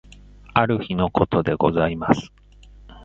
ある日のことでございます。